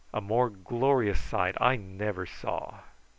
A more glorious sight I never saw.